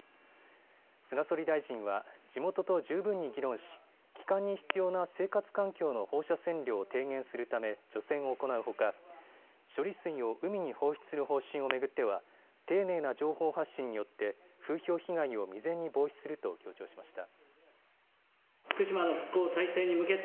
菅総理大臣は地元と十分に議論し帰還に必要な生活環境の放射線量を低減するため除染を行うほか処理水を海に放出する方針を巡っては丁寧な情報発信によって風評被害を未然に防止すると強調しました。